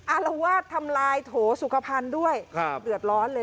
อารวาสทำลายโถสุขภัณฑ์ด้วยครับเดือดร้อนเลย